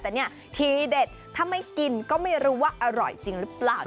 แต่เนี่ยทีเด็ดถ้าไม่กินก็ไม่รู้ว่าอร่อยจริงหรือเปล่า